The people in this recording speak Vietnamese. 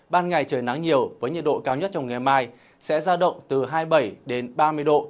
ban ngày trời nắng nhiều với nhiệt độ cao nhất trong ngày mai sẽ ra động từ hai mươi bảy đến ba mươi độ